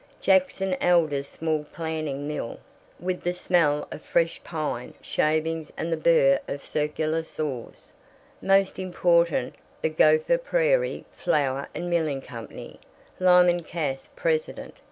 Jackson Elder's small planing mill, with the smell of fresh pine shavings and the burr of circular saws. Most important, the Gopher Prairie Flour and Milling Company, Lyman Cass president.